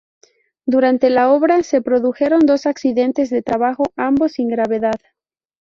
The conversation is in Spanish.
Durante la obra, se produjeron dos accidentes de trabajo, ambos sin gravedad.